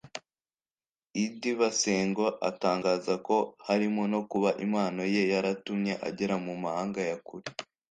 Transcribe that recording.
Idi Basengo atangaza ko harimo no kuba impano ye yaratumye agera mu mahanga ya kure